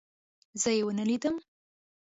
زه يې ونه لیدم.